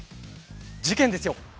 事件ですよ。